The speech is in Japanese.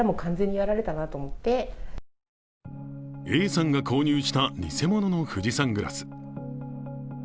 Ａさんが購入した偽物の富士山グラス。